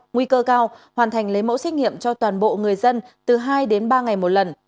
nguy cơ cao hoàn thành lấy mẫu xét nghiệm cho toàn bộ người dân từ hai đến ba ngày một lần